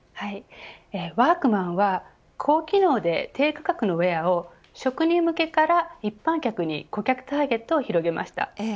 ワークマンは高機能で低価格のウエアを職人向けから一般客にも顧客ターゲットを広げました。